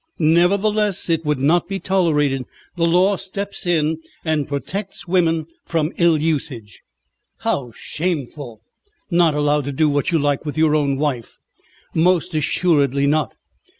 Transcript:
"Nevertheless it would not be tolerated. The law steps in and protects women from ill usage." "How shameful! Not allowed to do what you like with your own wife!" "Most assuredly not.